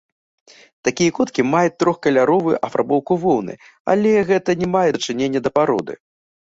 Такія коткі маюць трохкаляровую афарбоўку воўны, але гэта не мае дачынення да пароды.